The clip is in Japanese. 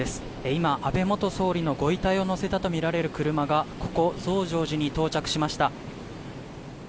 今、安倍元総理のご遺体を乗せたとみられる車がここ、増上寺に到着しました。